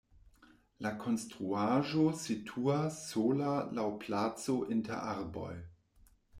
La konstruaĵo situas sola laŭ placo inter arboj.